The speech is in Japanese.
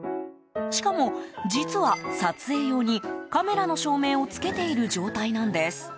しかも、実は撮影用にカメラの照明をつけている状態なんです。